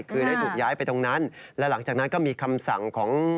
คือได้ถูกย้ายไปตรงนั้นและหลังจากนั้นก็มีคำสั่งของ